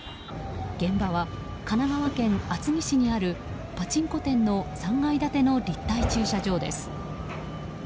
現場は神奈川県厚木市にあるパチンコ店の３階建ての立体駐車場です。